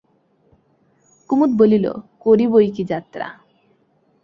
কুমুদ বলিল, করি বৈকি যাত্রা।